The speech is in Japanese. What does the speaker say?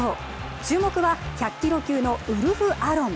注目は１００キロ級のウルフ・アロン。